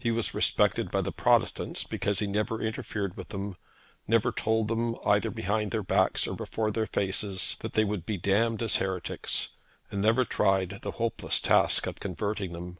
He was respected by the Protestants because he never interfered with them, never told them, either behind their backs or before their faces, that they would be damned as heretics, and never tried the hopeless task of converting them.